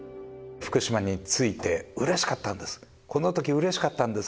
福島に着いてうれしかったんです。